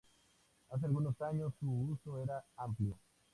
Hace algunos años su uso era amplio.